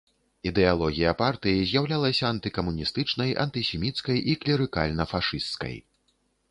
Ідэалогія партыі з'яўлялася антыкамуністычнай, антысеміцкай і клерыкальна-фашысцкай.